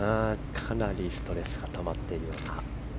かなりストレスがたまっているような。